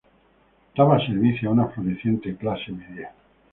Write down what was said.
Daba servicio a una floreciente clase media.